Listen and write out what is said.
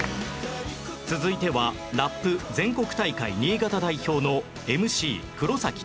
続いてはラップ全国大会新潟代表の